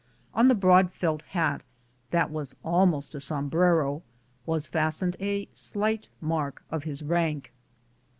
On the broad felt hat, that was almost a sombrero, was fastened a slight mark of his rank.